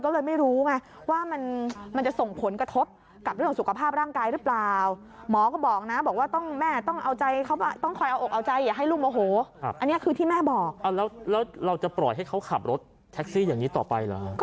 ก็เลยไม่รู้ไงว่ามันจะส่งผลกระทบกับเรื่องสุขภาพร่างกายหรือเปล่า